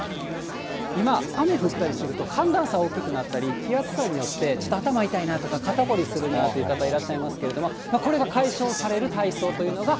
今、雨降ったりすると寒暖差大きくなったり、気圧差によって、ちょっと頭痛いなとか、肩凝りするなという方いらっしゃいますけれども、これが解消される体操というのが、